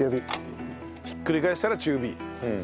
ひっくり返したら中火。